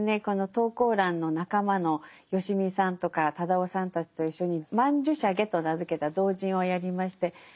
この投稿欄の仲間のよしみさんとか忠夫さんたちと一緒に「曼珠沙華」と名付けた同人をやりまして